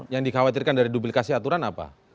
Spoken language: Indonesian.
yang dikhawatirkan dari duplikasi aturan apa